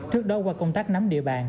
trước đó qua công tác nắm địa bàn